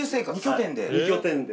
二拠点で。